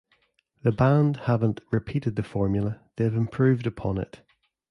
The band haven't repeated the formula, they've improved upon it.